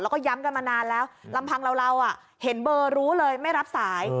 แล้วก็ย้ำกันมานานแล้วลำพังเราเห็นเบอร์รู้เลยไม่รับสาย